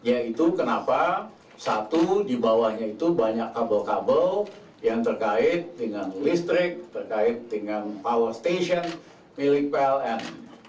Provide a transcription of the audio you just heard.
yaitu kenapa satu di bawahnya itu banyak kabel kabel yang terkait dengan listrik terkait dengan power station milik pln